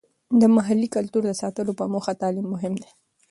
د محلي کلتور د ساتلو په موخه تعلیم مهم دی.